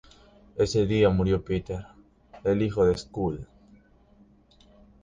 Ese día murió Peter, el hijo de Skule.